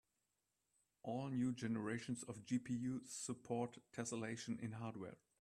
All new generations of GPUs support tesselation in hardware.